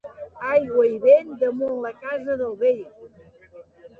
Aigua i vent damunt la casa del vell.